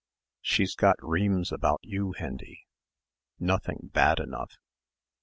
She'd got reams about you, Hendy nothing bad enough."